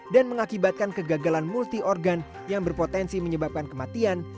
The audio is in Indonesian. dan mengakibatkan kegagalan multi organ yang berpotensi menyebabkan kematian